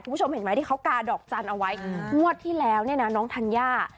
คุณผู้ชมเห็นไหมที่เขากาดอกจันทร์เอาไว้งวดที่แล้วเนี่ยนะน้องธัญญา